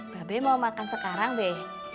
babe mau makan sekarang beh